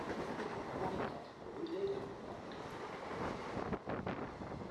Henri quatre brûlait de combattre.